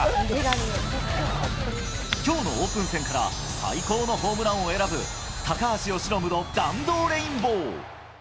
きょうのオープン戦から最高のホームランを選ぶ、高橋由伸の弾道レインボー。